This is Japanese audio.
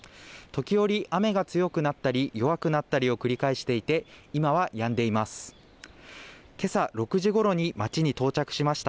時折、雨が強くなったり弱くなったりを繰り返していて今はやんでいます。